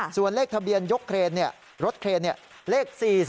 ส่วนเลขทะเบียนยกเครนรถเครนเลข๔๔